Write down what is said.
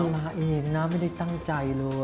มันมาอีกนะไม่ได้ตั้งใจเลยอ่ะ